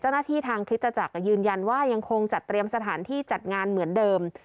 เจ้าหน้าที่ทางคริสต์จากยืนยันว่ายังคงจัดเตรียมสถานที่จัดงานเหมือนเดิม